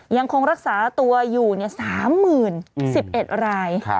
ยังคงรักษาตัวอยู่เนี่ย๓๑๐๐๐ราย